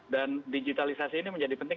dan digitalisasi ini menjadi penting